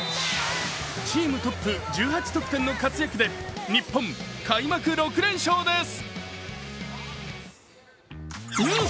チームトップ１８得点の活躍で日本、開幕６連勝です。